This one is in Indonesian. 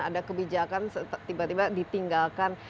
ada kebijakan tiba tiba ditinggalkan